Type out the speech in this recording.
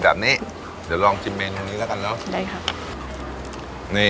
เดี๋ยวลองชิมเมนูนี้แล้วกันได้ค่ะ